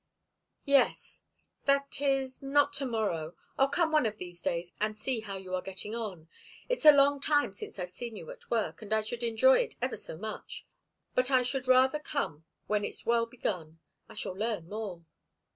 "Yes that is not to morrow. I'll come one of these days and see how you are getting on. It's a long time since I've seen you at work, and I should enjoy it ever so much. But I should rather come when it's well begun. I shall learn more."